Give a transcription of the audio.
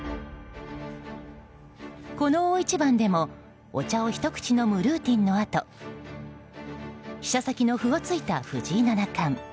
この大一番でもお茶をひと口飲むルーティンのあと飛車先の歩をついた藤井七冠。